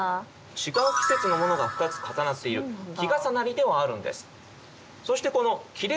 違う季節のものが２つ重なっている「季重なり」ではあるんです。